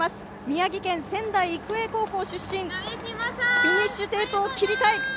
宮城県、仙台育英高校出身フィニッシュテープを切りたい。